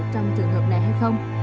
trong trường hợp này hay không